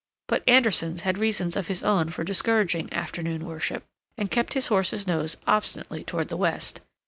But Anderson had reasons of his own for discouraging afternoon worship, and kept his horse's nose obstinately towards the west.